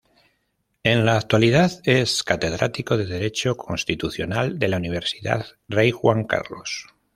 En la actualidad es catedrático de Derecho Constitucional de la Universidad Rey Juan Carlos.